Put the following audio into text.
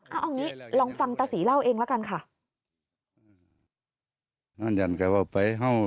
เอาอย่างนี้ลองฟังตาศรีเล่าเองละกันค่ะ